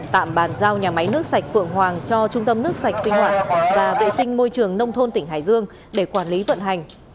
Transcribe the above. tạm bàn giao nhà máy nước sạch phượng hoàng cho trung tâm nước sạch sinh hoạt và vệ sinh môi trường nông thôn tỉnh hải dương để quản lý vận hành